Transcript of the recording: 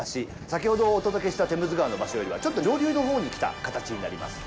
先ほどお届けしたテムズ川の場所よりはちょっと上流のほうに来た形になります。